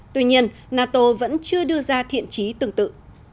tuy nhiên nato vẫn chưa đưa ra thiện trí tương tự